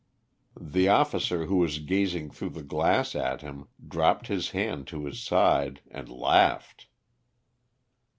The officer who was gazing through the glass at him dropped his hand to his side and laughed.